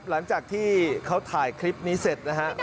หลังจากที่เขาถ่ายคลิปนี้เสร็จนะฮะ